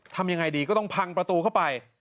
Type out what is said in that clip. ทำยังไงดีก็ต้องพังประตูเข้าไป